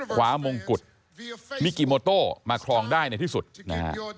มงกุฎมิกิโมโต้มาครองได้ในที่สุดนะฮะ